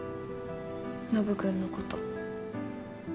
ノブ君のこと。